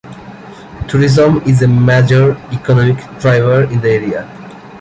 Tourism is a major economic driver in the area.